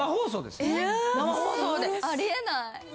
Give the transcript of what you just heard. えっありえない！